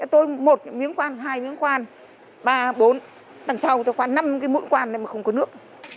tôi một miếng khoan hai miếng khoan ba bốn bằng sau tôi khoan năm cái mũi khoan này mà không có nước